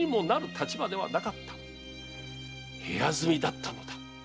部屋住みだったのだ。